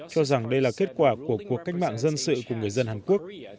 cho rằng đây là kết quả của cuộc cách mạng dân sự của người dân hàn quốc